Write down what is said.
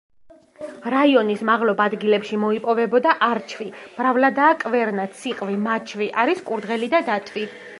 რაიონის მაღლობ ადგილებში მოიპოვებოდა არჩვი; მრავლადაა კვერნა, ციყვი, მაჩვი; არის კურდღელი და დათვი.